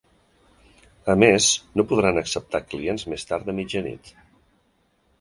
A més, no podran acceptar clients més tard de mitjanit.